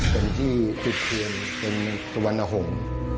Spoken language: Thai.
เป็นที่จุดเทียนเป็นสุวรรณหงษ์